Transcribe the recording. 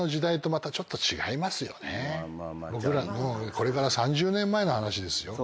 僕らのこれから３０年前の話ですよ。